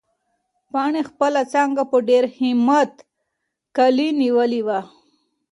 پاڼې خپله څانګه په ډېر همت کلي نیولې وه.